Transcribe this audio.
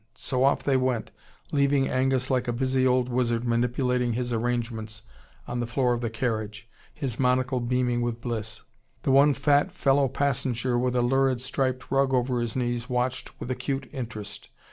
So off they went, leaving Angus like a busy old wizard manipulating his arrangements on the floor of the carriage, his monocle beaming with bliss. The one fat fellow passenger with a lurid striped rug over his knees watched with acute interest.